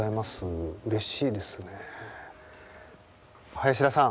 林田さん。